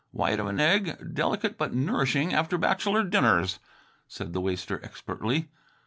"White of an egg, delicate but nourishing after bachelor dinners," said the waster expertly.